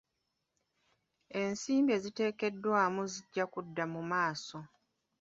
Ensimbi eziteekeddwamu zijja kudda mu maaso.